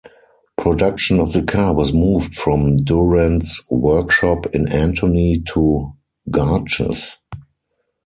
Production of the car was moved from Durand's workshop in Antony to Garches.